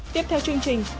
tiếp theo chương trình